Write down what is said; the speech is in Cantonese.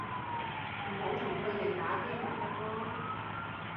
唔好同佢哋打機咪得囉